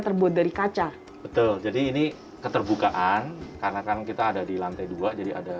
terbuat dari kaca betul jadi ini keterbukaan karena kan kita ada di lantai dua jadi ada